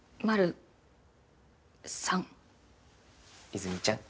和泉ちゃん。